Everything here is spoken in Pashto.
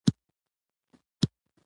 اور باید بل شوی وای.